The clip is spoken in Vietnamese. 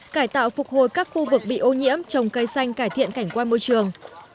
cải tạo phục hồi các khu vực bị ô nhiễm trồng cây xanh cải thiện cảnh quan môi trường